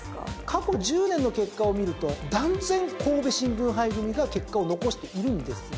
過去１０年の結果を見ると断然神戸新聞杯組が結果を残しているんですが。